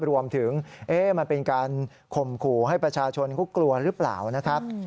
มันเป็นการข่มขู่ให้ประชาชนเขากลัวหรือเปล่านะครับ